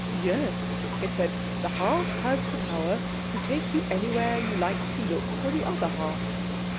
"Yes," it said; "the half has the power to take you anywhere you like to look for the other half."